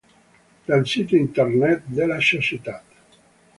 Dal sito Internet della società.